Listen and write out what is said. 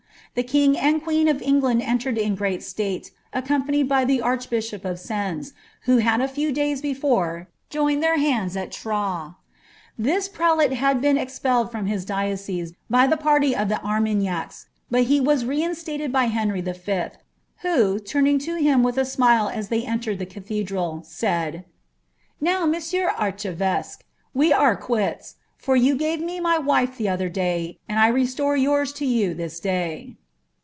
The king and queen of England entered in great state, accompanied by the archbishop of Sens, who had a few dftyv before joined their hands at Troyes. This prelate had been ex pelled from his diocese by the party of the Armagnacs, but he was rein mted by Henry V., who, turning to him with a smile as they entered the cathedral, said, ^ Now, Monseigneur Archevesque, we are quits ; for yoQ gave me my wife the other day, and 1 restore yours to you this dey.